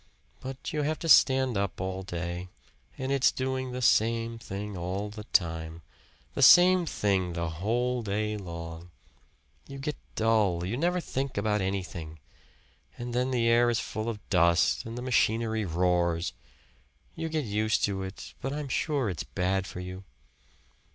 But you have to stand up all day; and it's doing the same thing all the time the same thing the whole day long. You get dull you never think about anything. And then the air is full of dust and the machinery roars. You get used to it, but I'm sure its bad for you."